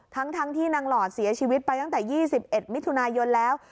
ทั้งที่นางหลอดเสียชีวิตไปตั้งแต่๒๑มิถุนายนแล้ว